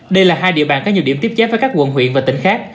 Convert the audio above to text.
đây là hai địa bàn có nhiều điểm tiếp giáp với các quận huyện và tỉnh khác